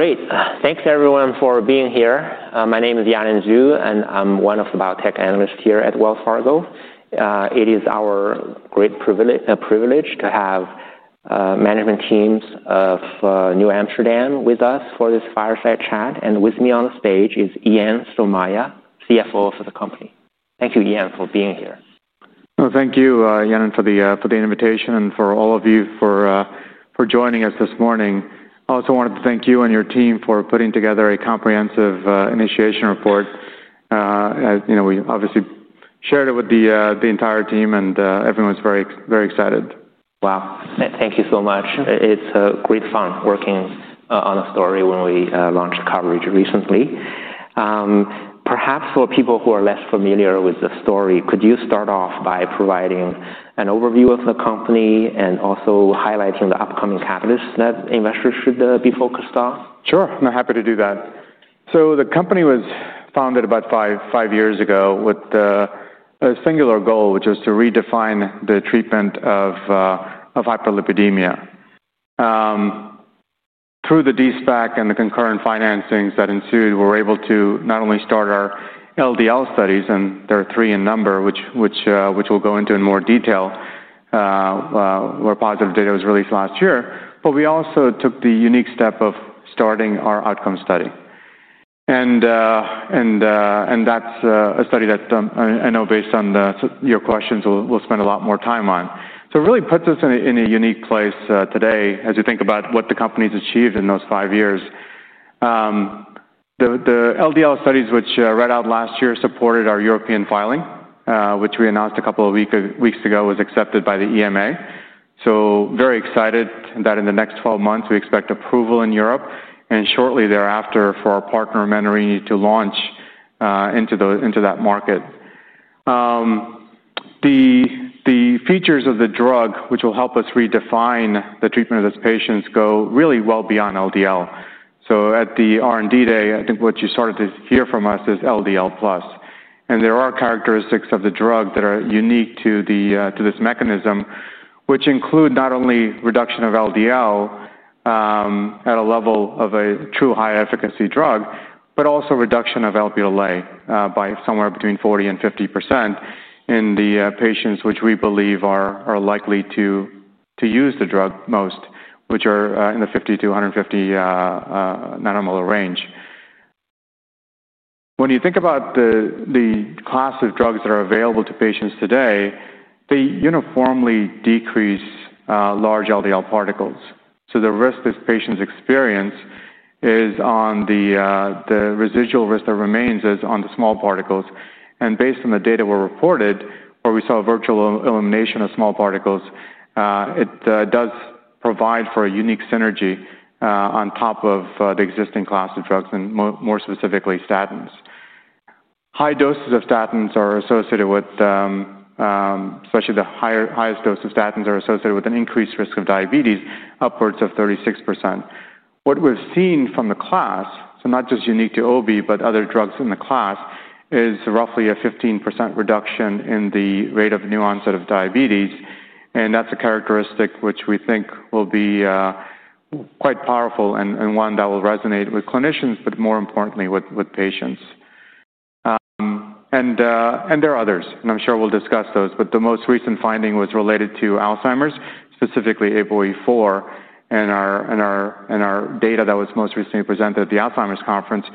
Great. Thanks, everyone, for being here. My name is Yanan Zhu and I'm one of the biotech analysts here at Wells Fargo. It is our great privilege to have management teams of NewAmsterdam with us for this fireside chat. With me on the stage is Ian Somaiya, CFO for the company. Thank you, Ian, for being here. Thank you, Yanan, for the invitation and for all of you for joining us this morning. I also wanted to thank you and your team for putting together a comprehensive initiation report. We obviously shared it with the entire team and everyone's very excited. Wow. Thank you so much. It's great fun working on a story when we launched the coverage recently. Perhaps for people who are less familiar with the story, could you start off by providing an overview of the company and also highlighting the upcoming habits that investors should be focused on? Sure. I'm happy to do that. The company was founded about five years ago with a singular goal, which was to redefine the treatment of hyperlipidemia. Through the dSPAC and the concurrent financings that ensued, we were able to not only start our LDL studies, and there are three in number, which we'll go into in more detail, where positive data was released last year, but we also took the unique step of starting our outcome study. That's a study that I know, based on your questions, we'll spend a lot more time on. It really puts us in a unique place today as we think about what the company's achieved in those five years. The LDL studies which were read out last year supported our European filing, which we announced a couple of weeks ago was accepted by the EMA. Very excited that in the next 12 months we expect approval in Europe and shortly thereafter for our partner, Menarini, to launch into that market. The features of the drug, which will help us redefine the treatment of those patients, go really well beyond LDL. At the R&D day, I think what you started to hear from us is LDL+. There are characteristics of the drug that are unique to this mechanism, which include not only reduction of LDL at a level of a true high-efficacy drug, but also reduction of Lp(a) by somewhere between 40% and 50% in the patients which we believe are likely to use the drug most, which are in the 50- 150 nanomolar range. When you think about the class of drugs that are available to patients today, they uniformly decrease large LDL particles. The risk these patients experience is on the residual risk that remains on the small particles. Based on the data we reported, where we saw virtual elimination of small particles, it does provide for a unique synergy on top of the existing class of drugs and more specifically statins. High doses of statins are associated with, especially the highest dose of statins, an increased risk of diabetes, upwards of 36%. What we've seen from the class, so not just unique to obicetrapib but other drugs in the class, is roughly a 15% reduction in the rate of new onset of diabetes. That's a characteristic which we think will be quite powerful and one that will resonate with clinicians, but more importantly with patients. There are others, and I'm sure we'll discuss those. The most recent finding was related to Alzheimer's, specifically APOE4. In our data that was most recently presented at the Alzheimer's Conference,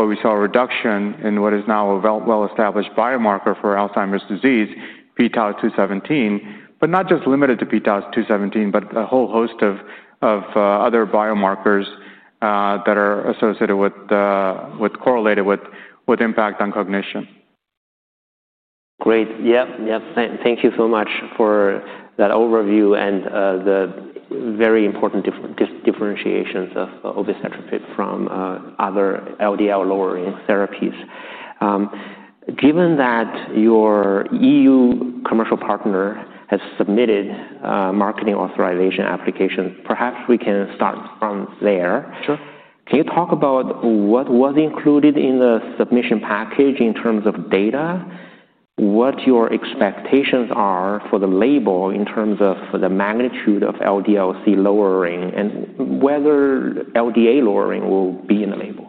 we saw a reduction in what is now a well-established biomarker for Alzheimer's disease, PTAS-217. Not just limited to PTAS-217, but a whole host of other biomarkers that are associated with, correlated with, impact on cognition. Great. Yes. Thank you so much for that overview and the very important differentiations of obicetrapib from other LDL-lowering therapies. Given that your EU commercial partner has submitted a marketing authorization application, perhaps we can start from there. Can you talk about what was included in the submission package in terms of data, what your expectations are for the label in terms of the magnitude of LDL-C lowering, and whether LDL lowering will be in the label?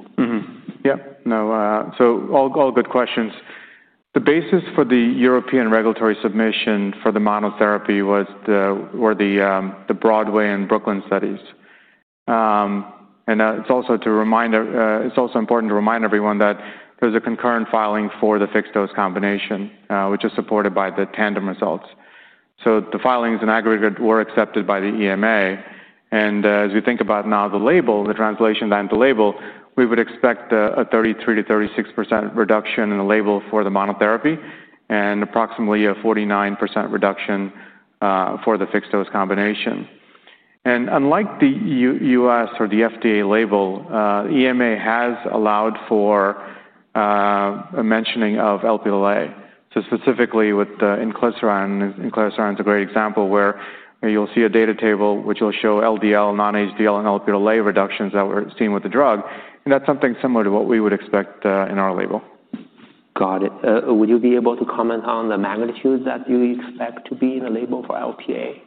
Yeah. No. All good questions. The basis for the European regulatory submission for the monotherapy were the Broadway and Brooklyn studies. It's also important to remind everyone that there's a concurrent filing for the fixed-dose combination, which is supported by the Tandem results. The filings in aggregate were accepted by the EMA. As we think about now the label, the translation down to label, we would expect a 33%- 36% reduction in the label for the monotherapy and approximately a 49% reduction for the fixed-dose combination. Unlike the U.S. or the FDA label, EMA has allowed for a mentioning of Lp(a). Specifically with the Inclisiran, Inclisiran is a great example where you'll see a data table which will show LDL, non-HDL, and Lp(a) reductions that we're seeing with the drug. That's something similar to what we would expect in our label. Got it. Would you be able to comment on the magnitude that you expect to be in the label for Lp(a)?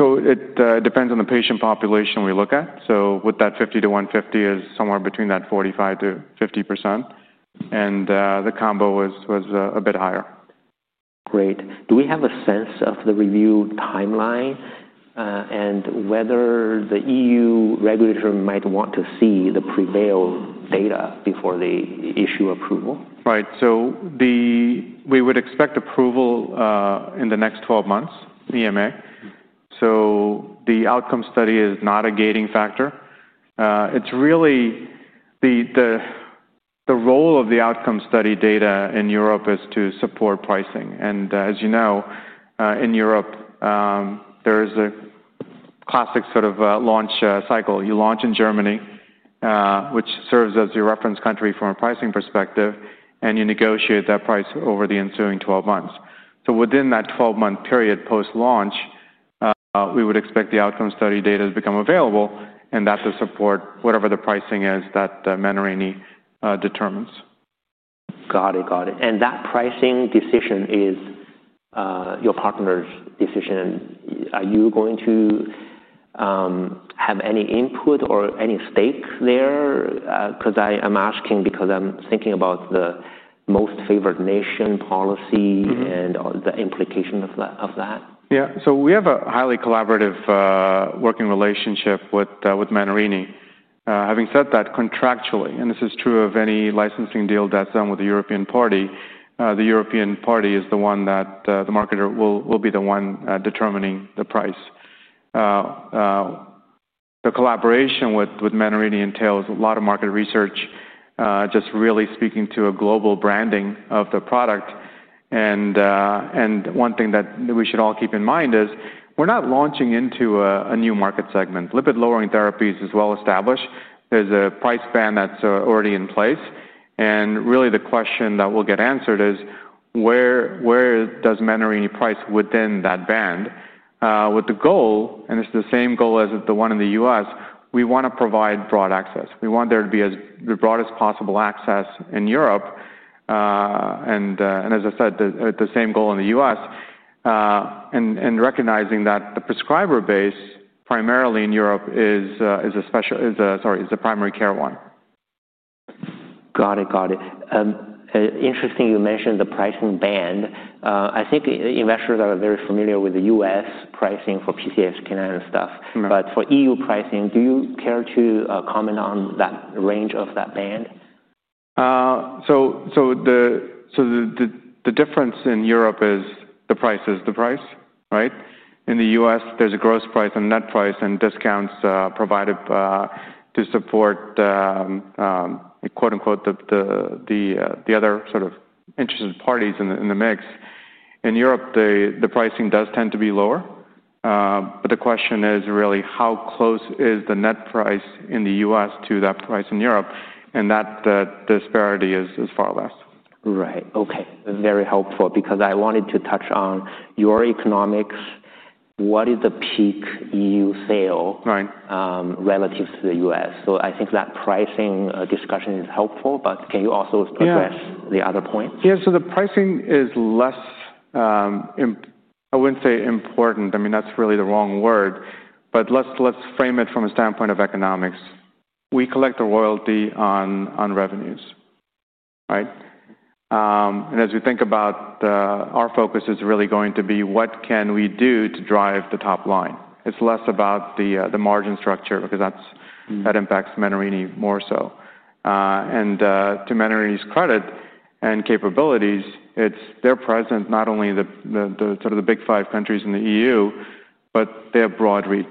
It depends on the patient population we look at. With that 50- 150, it's somewhere between that 45%- 50%, and the combo was a bit higher. Great. Do we have a sense of the review timeline, and whether the EU Regulation might want to see the PREVAIL data before they issue approval? Right. We would expect approval in the next 12 months, EMA. The outcome study is not a gating factor. It's really the role of the outcome study data in Europe to support pricing. As you know, in Europe, there is a classic sort of launch cycle. You launch in Germany, which serves as your reference country from a pricing perspective, and you negotiate that price over the ensuing 12 months. Within that 12-month period post-launch, we would expect the outcome study data to become available. That's to support whatever the pricing is that Menarini determines. Got it. Got it. That pricing decision is your partner's decision. Are you going to have any input or any stake there? I'm asking because I'm thinking about the most favored nation policy and the implication of that. Yeah. We have a highly collaborative working relationship with Menarini. Having said that, contractually, and this is true of any licensing deal that's done with a European party, the European party is the one that the marketer will be the one determining the price. The collaboration with Menarini entails a lot of market research, just really speaking to a global branding of the product. One thing that we should all keep in mind is we're not launching into a new market segment. Lipid-lowering therapies is well established. There's a price band that's already in place. The question that will get answered is where does Menarini price within that band, with the goal, and it's the same goal as the one in the U.S., we want to provide broad access. We want there to be as broad as possible access in Europe. As I said, the same goal in the U.S. and recognizing that the prescriber base, primarily in Europe, is a primary care one. Got it. Interesting you mentioned the pricing band. I think investors are very familiar with the U.S. pricing for PCSK9 stuff. For EU pricing, do you care to comment on that range of that band? The difference in Europe is the price is the price, right? In the U.S., there's a gross price and net price and discounts provided to support, quote unquote, the other sort of interested parties in the mix. In Europe, the pricing does tend to be lower. The question is really how close is the net price in the U.S. to that price in Europe? That disparity is far less. Right. OK. Very helpful because I wanted to touch on your economics. What is the peak EU sale relative to the U.S.? I think that pricing discussion is helpful. Can you also address the other points? Yeah. The pricing is less, I wouldn't say important. I mean, that's really the wrong word. Let's frame it from a standpoint of economics. We collect a royalty on revenues, right? As we think about our focus, it's really going to be what can we do to drive the top line. It's less about the margin structure because that impacts Menarini more so. To Menarini's credit and capabilities, they're present not only in the big five countries in the EU, but they have broad reach.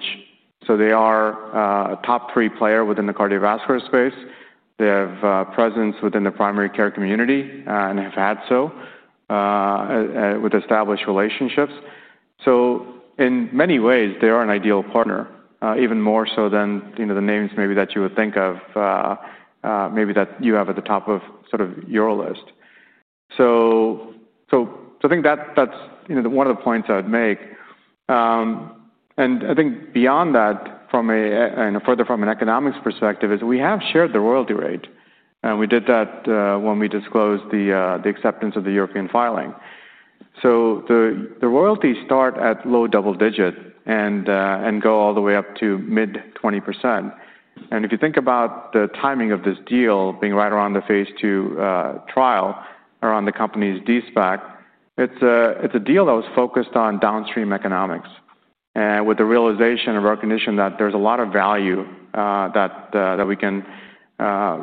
They are a top three player within the cardiovascular space. They have a presence within the primary care community and have had so with established relationships. In many ways, they are an ideal partner, even more so than the names maybe that you would think of, maybe that you have at the top of your list. I think that's one of the points I'd make. I think beyond that, further from an economics perspective, is we have shared the royalty rate. We did that when we disclosed the acceptance of the European filing. The royalties start at low double digits and go all the way up to mid-20%. If you think about the timing of this deal being right around the Phase 2 trial around the company's dSPAC, it's a deal that was focused on downstream economics. With the realization and recognition that there's a lot of value that we can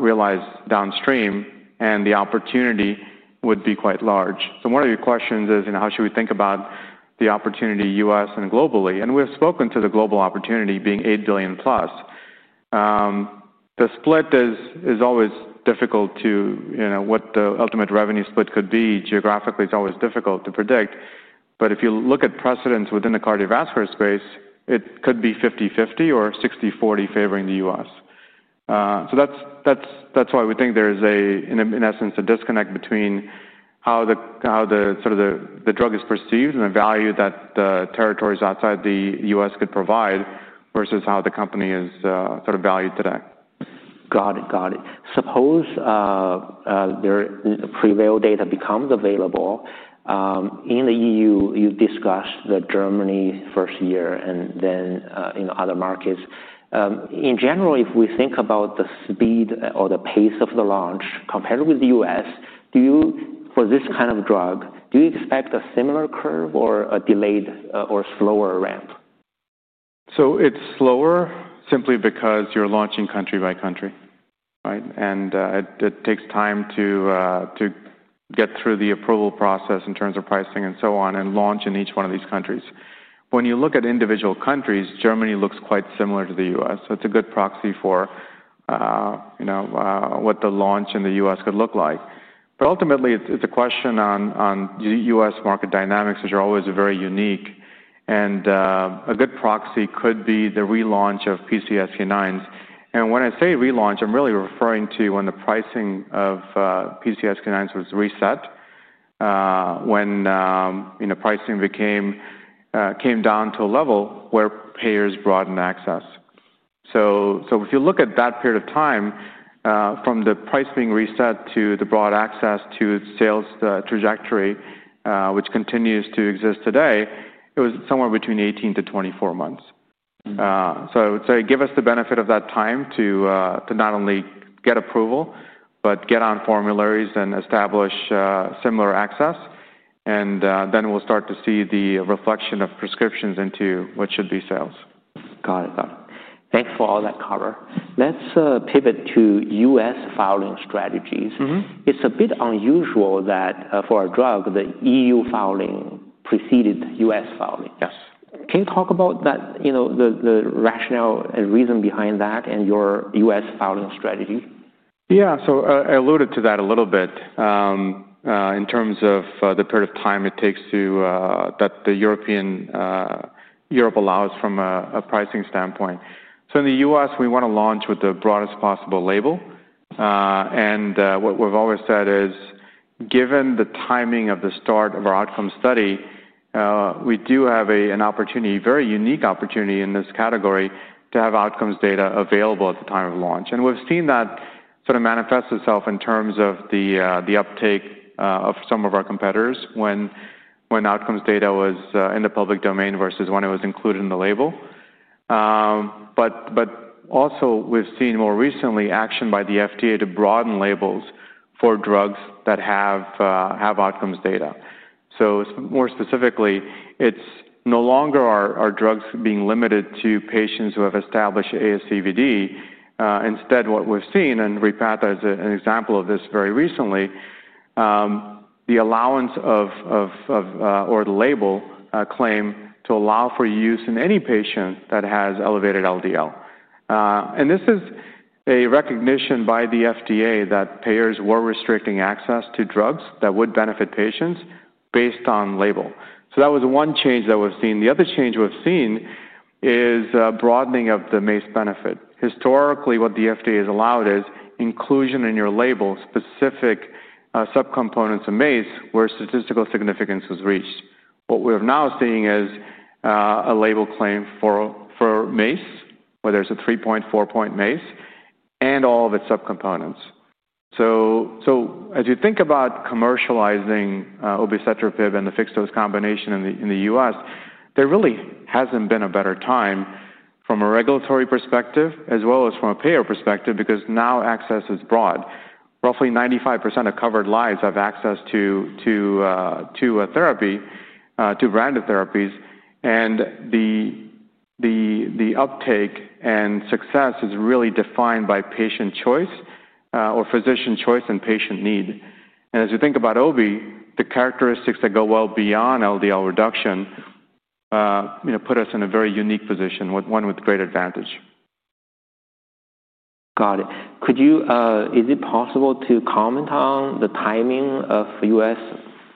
realize downstream and the opportunity would be quite large. One of your questions is how should we think about the opportunity U.S. and globally. We have spoken to the global opportunity being $8 billion+. The split is always difficult to what the ultimate revenue split could be geographically. It's always difficult to predict. If you look at precedents within the cardiovascular space, it could be 50/50 or 60/40 favoring the U.S. That's why we think there is, in essence, a disconnect between how the drug is perceived and the value that the territories outside the U.S. could provide versus how the company is valued today. Got it. Suppose the PREVAIL data becomes available. In the EU, you discussed Germany's first year and then other markets. In general, if we think about the speed or the pace of the launch compared with the U.S., do you, for this kind of drug, expect a similar curve or a delayed or slower ramp? It's slower simply because you're launching country- by- country, right? It takes time to get through the approval process in terms of pricing and so on and launch in each one of these countries. When you look at individual countries, Germany looks quite similar to the U.S., so it's a good proxy for what the launch in the U.S. could look like. Ultimately, it's a question on U.S. market dynamics, which are always very unique. A good proxy could be the relaunch of PCSK9s. When I say relaunch, I'm really referring to when the pricing of PCSK9s was reset, when pricing came down to a level where payers broadened access. If you look at that period of time, from the price being reset to the broad access to its sales trajectory, which continues to exist today, it was somewhere between 18- 24 months. I would say give us the benefit of that time to not only get approval but get on formularies and establish similar access. Then we'll start to see the reflection of prescriptions into what should be sales. Got it. Thanks for all that color. Let's pivot to U.S. filing strategies. It's a bit unusual that for a drug, the EU filing preceded U.S. filing. Can you talk about the rationale and reason behind that and your U.S. filing strategy? Yeah. I alluded to that a little bit in terms of the period of time it takes that Europe allows from a pricing standpoint. In the U.S., we want to launch with the broadest possible label. What we've always said is given the timing of the start of our outcome study, we do have an opportunity, a very unique opportunity in this category, to have outcomes data available at the time of launch. We've seen that sort of manifest itself in terms of the uptake of some of our competitors when outcomes data was in the public domain versus when it was included in the label. We've seen more recently action by the FDA to broaden labels for drugs that have outcomes data. More specifically, it's no longer our drugs being limited to patients who have established ASCVD. Instead, what we've seen, and Repatha is an example of this very recently, the allowance of or the label claim to allow for use in any patient that has elevated LDL. This is a recognition by the FDA that payers were restricting access to drugs that would benefit patients based on label. That was one change that we've seen. The other change we've seen is a broadening of the MACE benefit. Historically, what the FDA has allowed is inclusion in your label specific subcomponents of MACE where statistical significance was reached. What we're now seeing is a label claim for MACE, whether it's a 3-point, 4-point MACE, and all of its subcomponents. As you think about commercializing obicetrapib and the fixed-dose combination in the U.S., there really hasn't been a better time from a regulatory perspective as well as from a payer perspective because now access is broad. Roughly 95% of covered lives have access to a therapy, to branded therapies. The uptake and success is really defined by patient choice or physician choice and patient need. As you think about obicetrapib, the characteristics that go well beyond LDL reduction put us in a very unique position, one with great advantage. Got it. Could you, is it possible to comment on the timing of U.S.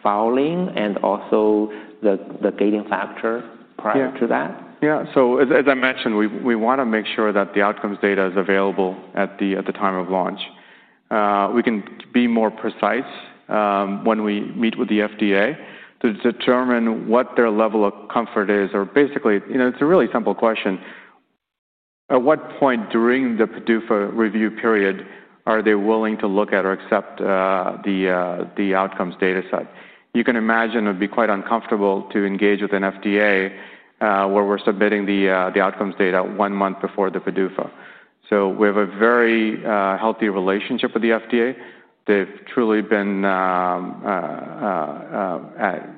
filing and also the gating factor prior to that? Yeah. Yeah. As I mentioned, we want to make sure that the outcomes data is available at the time of launch. We can be more precise when we meet with the FDA to determine what their level of comfort is or basically, you know, it's a really simple question. At what point during the PDUFA review period are they willing to look at or accept the outcomes data set? You can imagine it would be quite uncomfortable to engage with an FDA where we're submitting the outcomes data one month before the PDUFA. We have a very healthy relationship with the FDA. They've truly been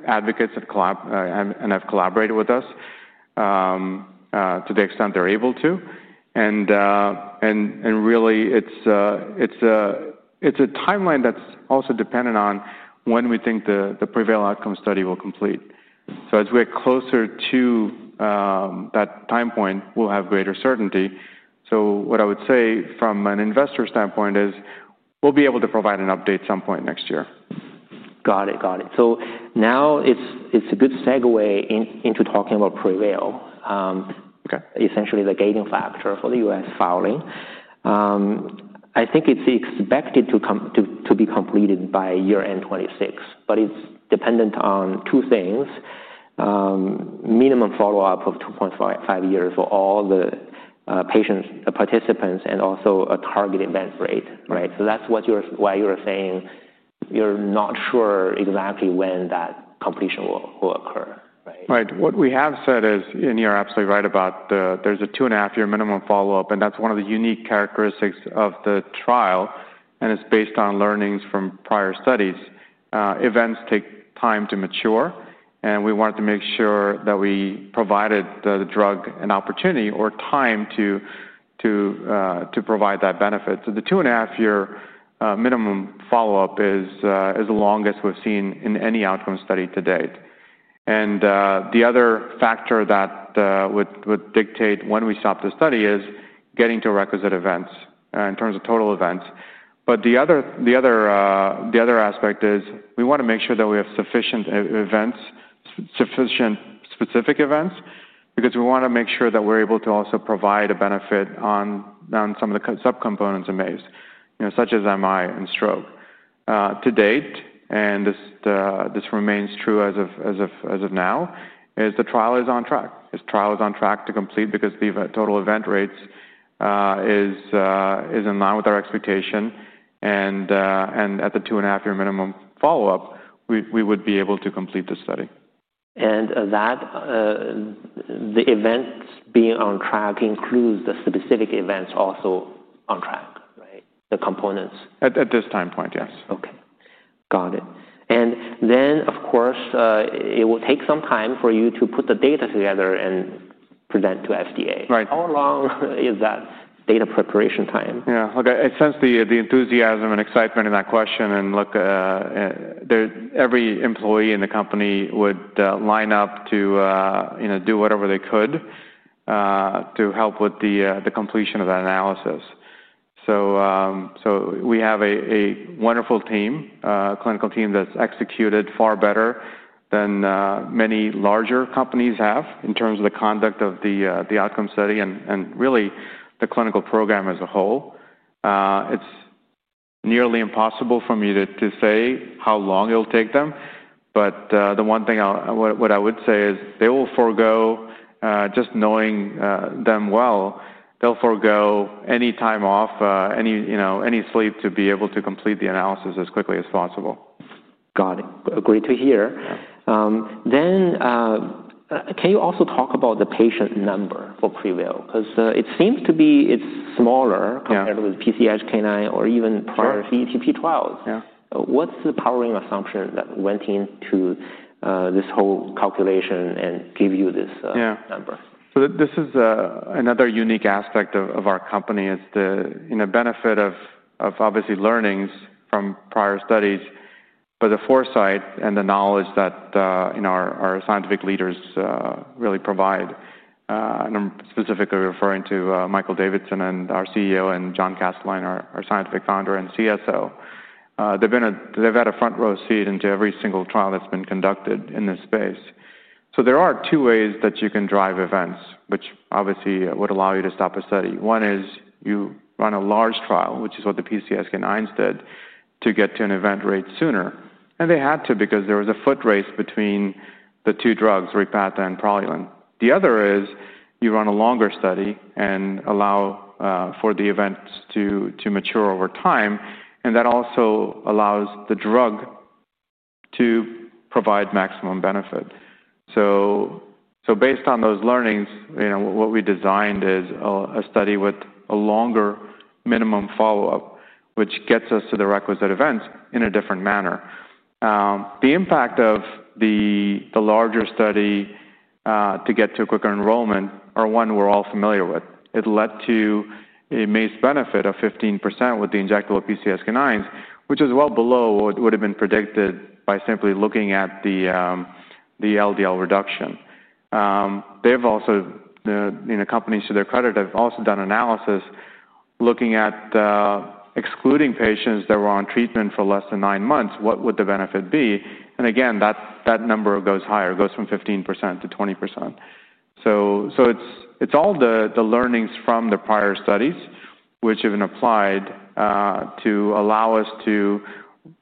advocates and have collaborated with us to the extent they're able to. Really, it's a timeline that's also dependent on when we think the PREVAIL outcome study will complete. As we're closer to that time point, we'll have greater certainty. What I would say from an investor standpoint is we'll be able to provide an update at some point next year. Got it. It's a good segue into talking about PREVAIL, essentially the gating factor for the U.S. filing. I think it's expected to be completed by year-end 2026. It's dependent on two things: minimum follow-up of 2.5 years for all the patients, participants, and also a target event rate. That's why you're saying you're not sure exactly when that completion will occur. Right. What we have said is, and you're absolutely right about there's a 2.5 year minimum follow-up. That's one of the unique characteristics of the trial, and it's based on learnings from prior studies. Events take time to mature, and we wanted to make sure that we provided the drug an opportunity or time to provide that benefit. The 2.5 year minimum follow-up is the longest we've seen in any outcome study to date. The other factor that would dictate when we stop the study is getting to requisite events in terms of total events. The other aspect is we want to make sure that we have sufficient events, sufficient specific events, because we want to make sure that we're able to also provide a benefit on some of the subcomponents of MACE, such as MI and stroke. To date, and this remains true as of now, the trial is on track. This trial is on track to complete because the total event rate is in line with our expectation. At the 2.5 year minimum follow-up, we would be able to complete the study. The events being on track includes the specific events also on track, right, the components? At this time point, yes. OK. Got it. It will take some time for you to put the data together and present to the FDA. How long is that data preparation time? Yeah. I sense the enthusiasm and excitement in that question. Every employee in the company would line up to do whatever they could to help with the completion of that analysis. We have a wonderful team, a clinical team that's executed far better than many larger companies have in terms of the conduct of the outcome study and really the clinical program as a whole. It's nearly impossible for me to say how long it'll take them. The one thing I would say is they will forego, just knowing them well, any time off, any sleep to be able to complete the analysis as quickly as possible. Got it. Great to hear. Can you also talk about the patient number for PREVAIL? It seems to be smaller compared with PCSK9 or e`ven prior CETP inhibitors. What's the powering assumption that went into this whole calculation and gave you this number? This is another unique aspect of our company. It's the benefit of obviously learnings from prior studies. The foresight and the knowledge that our scientific leaders really provide, specifically referring to Michael Davidson and our CEO and John Kastelein, our scientific founder and CSO, they've had a front-row seat into every single trial that's been conducted in this space. There are two ways that you can drive events, which obviously would allow you to stop a study. One is you run a large trial, which is what the PCSK9s did, to get to an event rate sooner. They had to because there was a foot race between the two drugs, Repatha and Praluent. The other is you run a longer study and allow for the events to mature over time. That also allows the drug to provide maximum benefit. Based on those learnings, what we designed is a study with a longer minimum follow-up, which gets us to the requisite events in a different manner. The impact of the larger study to get to a quicker enrollment are ones we're all familiar with. It led to a MACE benefit of 15% with the injectable PCSK9 s, which is well below what would have been predicted by simply looking at the LDL reduction. Companies, to their credit, have also done analysis looking at excluding patients that were on treatment for less than nine months. What would the benefit be? That number goes higher, goes from 15% to 20%. It's all the learnings from the prior studies, which have been applied to allow us to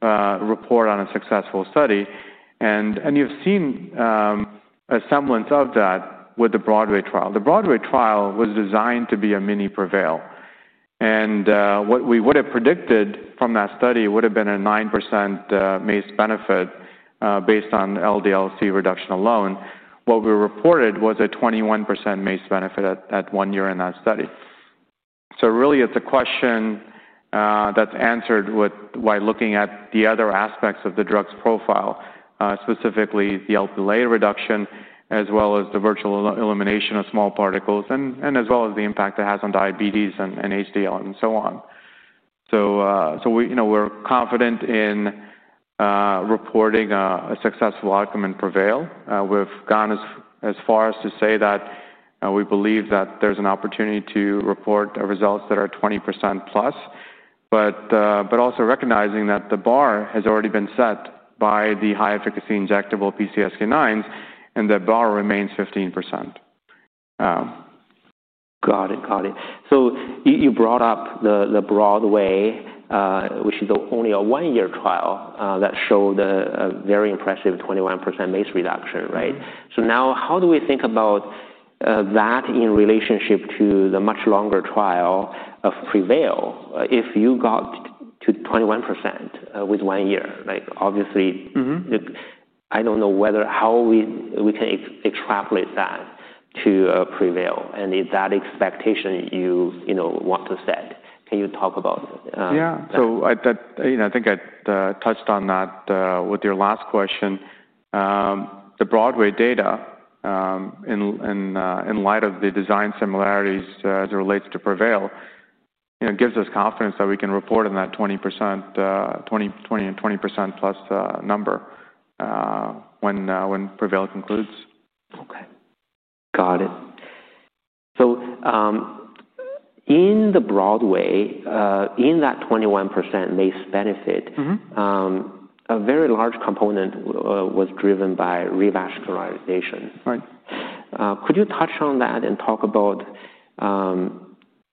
report on a successful study. You've seen a semblance of that with the Broadway trial. The Broadway trial was designed to be a mini PREVAIL. What we would have predicted from that study would have been a 9% MACE benefit based on LDL-C reduction alone. What we reported was a 21% MACE benefit at one year in that study. It's a question that's answered by looking at the other aspects of the drug's profile, specifically the Lp(a) reduction as well as the virtual elimination of small particles and as well as the impact it has on diabetes and HDL and so on. We're confident in reporting a successful outcome in PREVAIL. We've gone as far as to say that we believe that there's an opportunity to report results that are 20%+, but also recognizing that the bar has already been set by the high-efficacy injectable PCSK9 s and the bar remains 15%. Got it. You brought up the Broadway, which is only a one-year trial that showed a very impressive 21% MACE reduction, right? How do we think about that in relationship to the much longer trial of PREVAIL if you got to 21% with one year? Obviously, I don't know how we can extrapolate that to PREVAIL and if that expectation you want to set. Can you talk about that? I think I touched on that with your last question. The Broadway data, in light of the design similarities as it relates to PREVAIL, gives us confidence that we can report on that 20%+ number when PREVAIL concludes. OK. Got it. In the Broadway, in that 21% MACE benefit, a very large component was driven by revascularization. Right. Could you touch on that and talk about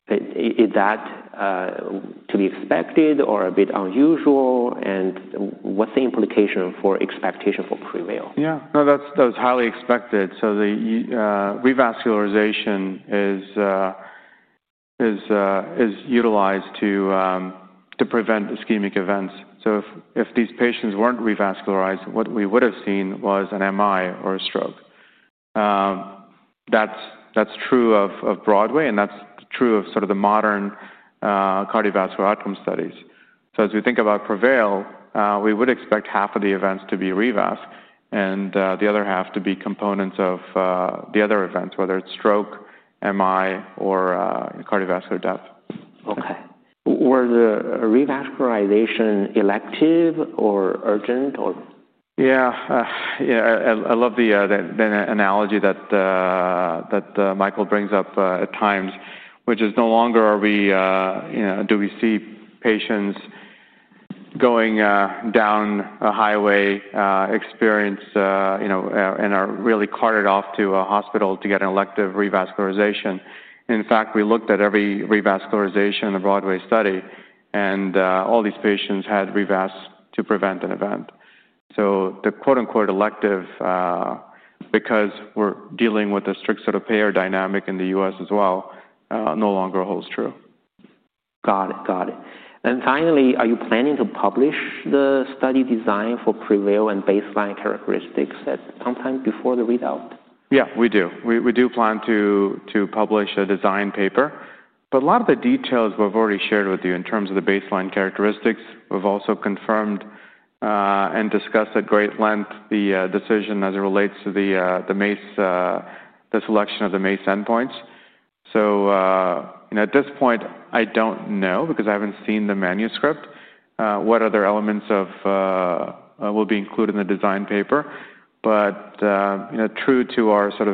is that to be expected or a bit unusual? What's the implication for expectation for PREVAIL? Yeah, no, that was highly expected. The revascularization is utilized to prevent ischemic events. If these patients weren't revascularized, what we would have seen was an MI or a stroke. That's true of Broadway, and that's true of the modern cardiovascular outcome studies. As we think about PREVAIL, we would expect half of the events to be revascularization and the other half to be components of the other events, whether it's stroke, MI, or cardiovascular death. OK. Were the revascularization elective or urgent? Yeah. I love the analogy that Michael brings up at times, which is no longer do we see patients going down a highway experience and are really carted off to a hospital to get an elective revascularization. In fact, we looked at every revascularization in the Broadway study and all these patients had revascularization to prevent an event. The quote unquote elective, because we're dealing with a strict sort of payer dynamic in the U.S. as well, no longer holds true. Got it. Are you planning to publish the study design for PREVAIL and baseline characteristics at some time before the readout? Yeah, we do. We do plan to publish a design paper. A lot of the details we've already shared with you in terms of the baseline characteristics, we've also confirmed and discussed at great length the decision as it relates to the MACE, the selection of the MACE endpoints. At this point, I don't know because I haven't seen the manuscript what other elements will be included in the design paper. True to our sort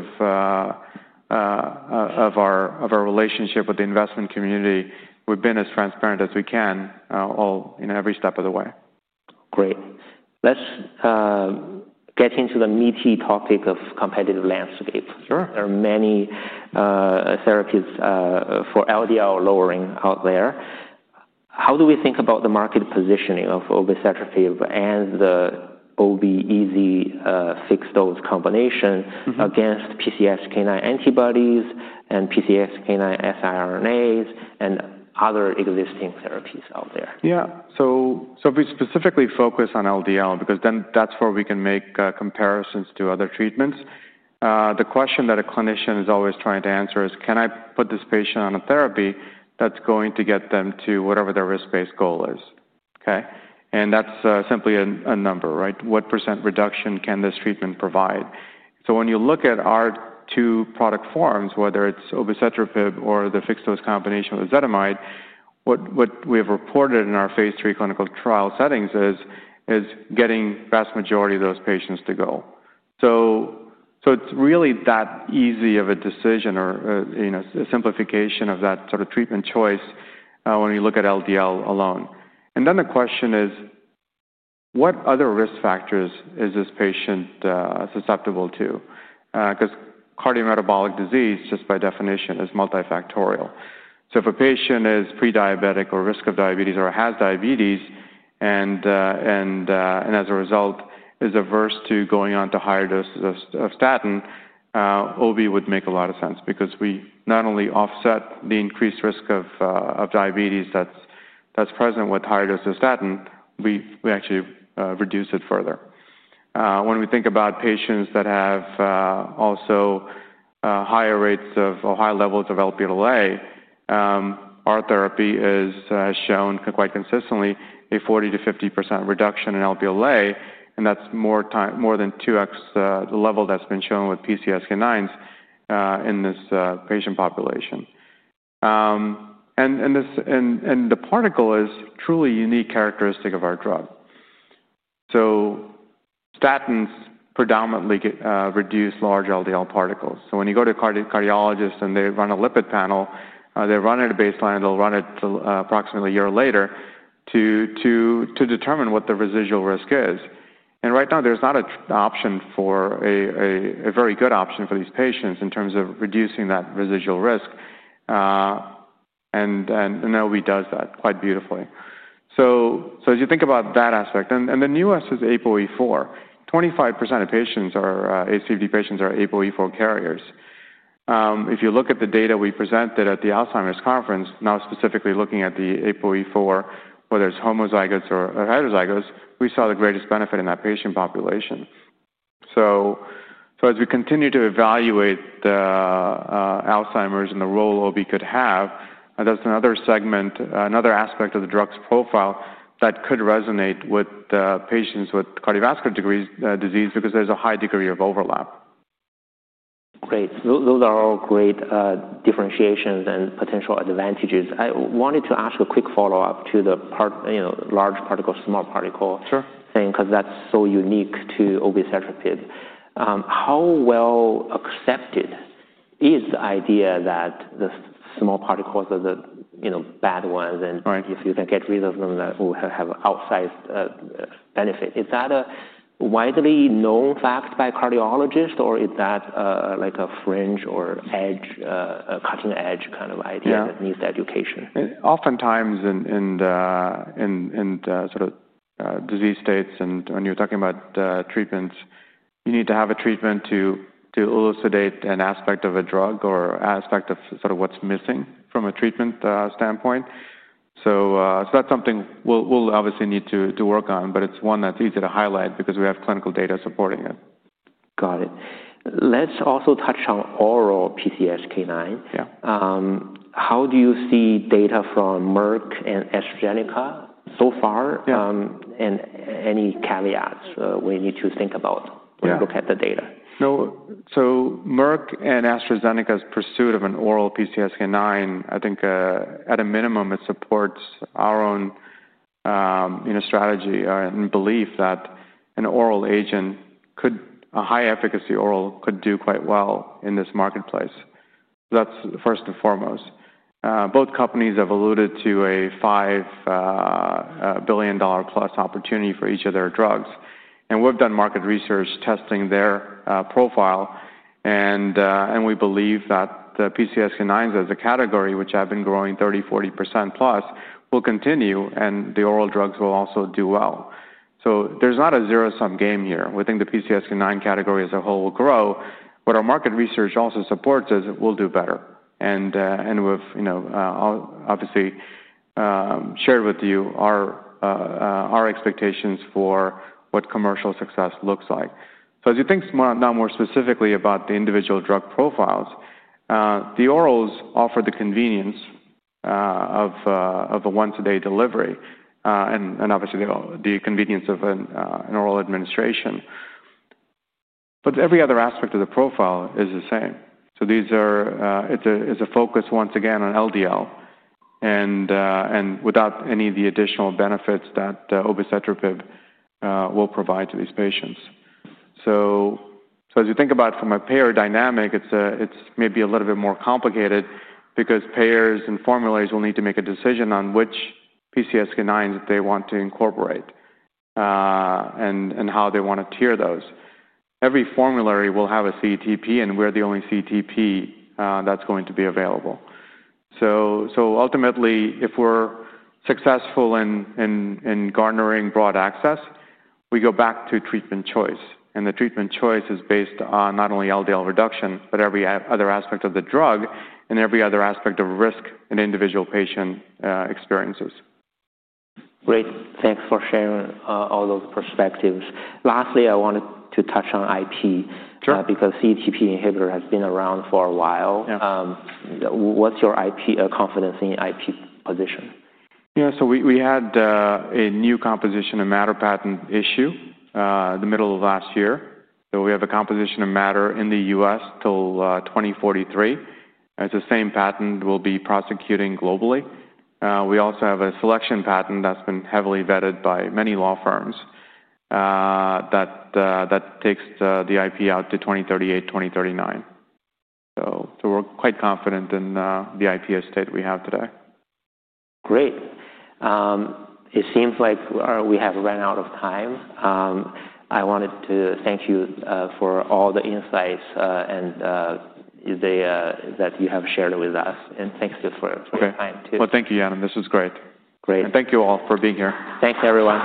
of relationship with the investment community, we've been as transparent as we can in every step of the way. Great. Let's get into the meaty topic of competitive landscape. Sure. There are many therapies for LDL lowering out there. How do we think about the market positioning of obicetrapib and the OBI-EZE fixed-dose combination against PCSK9 antibodies and PCSK9 siRNAs and other existing therapies out there? Yeah. If we specifically focus on LDL, because that's where we can make comparisons to other treatments, the question that a clinician is always trying to answer is can I put this patient on a therapy that's going to get them to whatever their risk-based goal is? OK. That's simply a number, right? What % reduction can this treatment provide? When you look at our two product forms, whether it's obicetrapib or the fixed-dose combination with ezetimibe, what we have reported in our Phase 3 clinical trial settings is getting the vast majority of those patients to goal. It's really that easy of a decision or a simplification of that sort of treatment choice when you look at LDL alone. The question is what other risk factors is this patient susceptible to? Cardiometabolic disease, just by definition, is multifactorial. If a patient is pre-diabetic or at risk of diabetes or has diabetes and as a result is averse to going on to higher doses of statin, OBI would make a lot of sense because we not only offset the increased risk of diabetes that's present with higher doses of statin, we actually reduce it further. When we think about patients that have also higher rates of or high levels of Lp(a), our therapy has shown quite consistently a 40%- 50% reduction in Lp(a). That's more than 2x the level that's been shown with PCSK9 inhibitors in this patient population. The particle is a truly unique characteristic of our drug. Statins predominantly reduce large LDL particles. When you go to a cardiologist and they run a lipid panel, they run it at a baseline and they'll run it approximately a year later to determine what the residual risk is. Right now, there's not a very good option for these patients in terms of reducing that residual risk. OBI does that quite beautifully. As you think about that aspect, the newest is APOE4. 25% of ACV patients are APOE4 carriers. If you look at the data we presented at the Alzheimer's Conference, now specifically looking at the APOE4, whether it's homozygous or heterozygous, we saw the greatest benefit in that patient population. As we continue to evaluate the Alzheimer's and the role OBI could have, that's another segment, another aspect of the drug's profile that could resonate with patients with cardiovascular disease because there's a high degree of overlap. Great. Those are all great differentiations and potential advantages. I wanted to ask a quick follow-up to the large particle, small particle thing because that's so unique to obicetrapib. How well accepted is the idea that the small particles are the bad ones, and if you can get rid of them, that will have outsized benefit? Is that a widely known fact by cardiologists, or is that like a fringe or cutting edge kind of idea that needs education? Oftentimes in sort of disease states, when you're talking about treatments, you need to have a treatment to elucidate an aspect of a drug or aspect of sort of what's missing from a treatment standpoint. That's something we'll obviously need to work on, but it's one that's easy to highlight because we have clinical data supporting it. Got it. Let's also touch on oral PCSK9. Yeah. How do you see data from Merck and AstraZeneca so far, and any caveats we need to think about when we look at the data? Merck and AstraZeneca's pursuit of an oral PCSK9, I think at a minimum, supports our own strategy and belief that an oral agent, a high-efficacy oral, could do quite well in this marketplace. That's first and foremost. Both companies have alluded to a $5 billion+ opportunity for each of their drugs. We've done market research testing their profile, and we believe that the PCSK9s as a category, which have been growing 30%/ 40%+, will continue. The oral drugs will also do well. There's not a zero-sum game here. We think the PCSK9 category as a whole will grow. What our market research also supports is it will do better. We've obviously shared with you our expectations for what commercial success looks like. As you think now more specifically about the individual drug profiles, the orals offer the convenience of a once-a-day delivery and obviously the convenience of an oral administration. Every other aspect of the profile is the same. It's a focus once again on LDL and without any of the additional benefits that obicetrapib will provide to these patients. As you think about it from a payer dynamic, it's maybe a little bit more complicated because payers and formularies will need to make a decision on which PCSK9s they want to incorporate and how they want to tier those. Every formulary will have a CETP. We're the only CETP that's going to be available. Ultimately, if we're successful in garnering broad access, we go back to treatment choice. The treatment choice is based on not only LDL reduction, but every other aspect of the drug and every other aspect of risk an individual patient experiences. Great. Thanks for sharing all those perspectives. Lastly, I wanted to touch on IP. Sure. Because CETP inhibitor has been around for a while. Yeah. What's your confidence in IP position? Yeah. We had a new composition of matter patent issue the middle of last year. We have a composition of matter in the U.S. till 2043. It's the same patent we'll be prosecuting globally. We also have a selection patent that's been heavily vetted by many law firms. That takes the IP out to 2038, 2039. We're quite confident in the IP estate we have today. Great. It seems like we have run out of time. I wanted to thank you for all the insights that you have shared with us. Thanks for your time too. Thank you, Yanan. This was great. Great. Thank you all for being here. Thanks, everyone.